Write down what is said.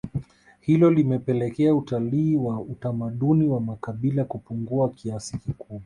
hilo limepelekea utalii wa utamaduni wa makabila kupungua kiasi kikubwa